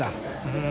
うん。